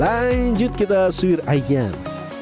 lanjut kita suhir ayam